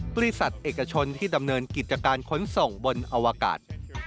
บริษัทเอกชนที่ดำเนินกิจการขนส่งบนอวกาศ